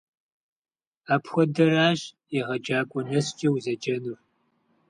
Апхуэдэращ егъэджакӀуэ нэскӀэ узэджэнур.